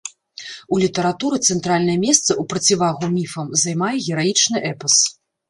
У літаратуры цэнтральнае месца ў процівагу міфам займае гераічны эпас.